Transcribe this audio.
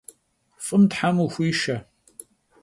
F'ım them vuxuişşe!